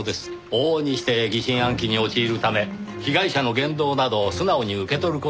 往々にして疑心暗鬼に陥るため被害者の言動などを素直に受け取る事が出来なくなる。